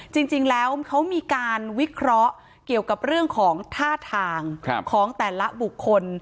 จริงแล้วเขามีการวิเคราะห์เกี่ยวกับเรื่องของท่าทางของแต่ละบุคคล